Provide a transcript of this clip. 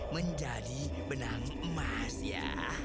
menjadi benang emas ya